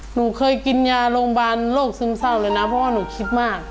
หนูเคยกินยาโรงพยาบาลโรคซึมเศร้าเลยนะเพราะว่าหนูคิดมาก